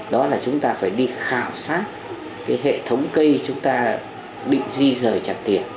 đó là chúng ta phải đi khảo sát hệ thống cây chúng ta định di rời chặt tiệt